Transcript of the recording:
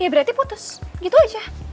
ya berarti putus gitu aja